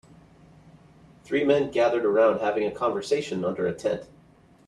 Three men gathered around having a conversation under a tent